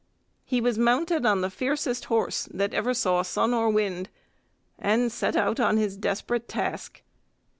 He was mounted on the fiercest horse that ever saw sun or wind, and set out on his desperate task.